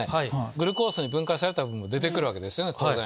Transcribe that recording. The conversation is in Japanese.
グルコースに分解された分も出てくるわけですね当然。